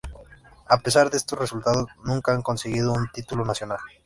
A pesar de estos resultados, nunca han conseguido un título nacional.